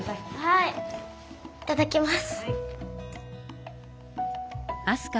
いただきます。